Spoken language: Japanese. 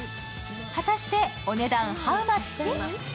果たしてお値段ハウマッチ？